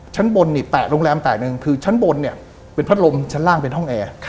ชั้นบนเนี่ยแตะโรงแรมแตะหนึ่งคือชั้นบนเนี่ยเป็นพัดลมชั้นล่างเป็นห้องแอร์